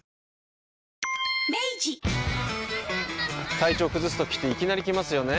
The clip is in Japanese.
体調崩すときっていきなり来ますよね。